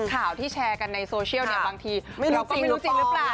ข่าวที่แชร์กันในโซเชียลเนี่ยบางทีไม่รู้จริงไม่รู้จริงหรือเปล่า